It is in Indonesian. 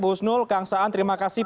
bu husnul kang saan terima kasih